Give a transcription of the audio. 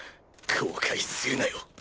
後悔するなよ。